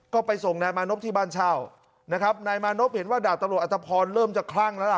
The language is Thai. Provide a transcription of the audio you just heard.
ก็ไปส่งนายมานพที่บ้านเช่านะครับนายมานพเห็นว่าดาบตำรวจอัตภพรเริ่มจะคลั่งแล้วล่ะ